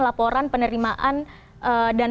laporan penerimaan dan